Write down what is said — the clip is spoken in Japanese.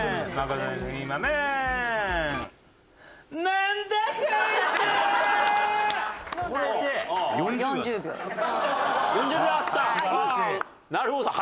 なるほど。